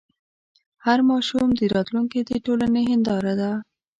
هر ماشوم د راتلونکي د ټولنې هنداره ده.